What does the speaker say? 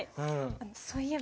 そういえば。